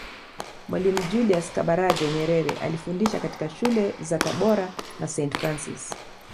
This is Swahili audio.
Mwalimu Julius Kambarage Nyerere alifundisha katika Shule za Tabora na Saint Francis